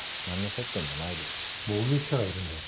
目撃者がいるんだよ。